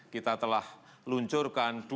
dua ribu lima belas kita telah luncurkan dua tahun